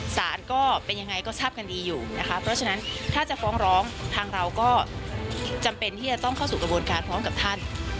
สารก็เป็นยังไงก็ทราบกันดีอยู่นะคะเพราะฉะนั้นถ้าจะฟ้องร้องทางเราก็จำเป็นที่จะต้องเข้าสู่กระบวนการพร้อมกับท่าน